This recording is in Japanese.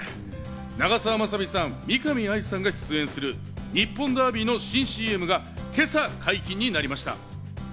長澤まさみさん、見上愛さんが出演する日本ダービーの新ＣＭが今朝、解禁になりました。